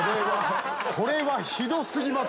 これはひど過ぎます